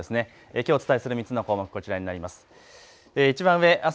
きょうお伝えする３つの項目、こちらになります。